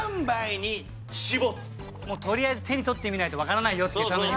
とりあえず手に取ってみないとわからないよっていう楽しみね。